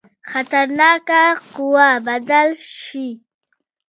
خطرناکه قوه بدل شي.